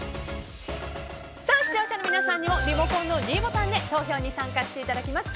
視聴者の皆さんにもリモコンのｄボタンで投票に参加していただきます。